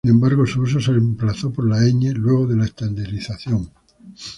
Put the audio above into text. Sin embargo, su uso se reemplazó por la "ñ" luego de la estandarización.